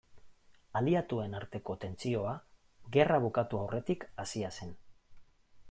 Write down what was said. Aliatuen arteko tentsioa gerra bukatu aurretik hasia zen.